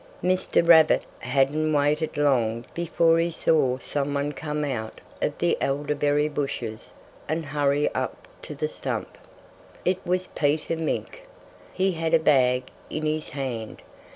Mr. Rabbit hadn't waited long before he saw some one come out of the elderberry bushes and hurry up to the stump. It was Peter Mink! He had a bag in his hand.